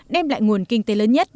đem lại nguồn kinh tế lớn nhất